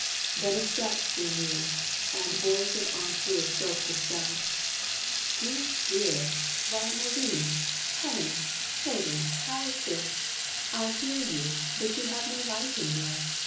Then a step drew near, And voice of Aunt Ruth broke the spell: "Dear! dear! Why Maurie, Helen, children! how is this? I hear you, but you have no light in there.